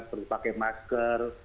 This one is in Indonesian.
seperti pakai masker